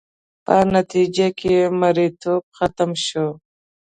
په نتیجه کې یې مریتوب ختم شو